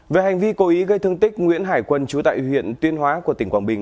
về hành vi cố ý gây thương tích nguyễn hải quân chú tại huyện tuyên hóa của tỉnh quảng bình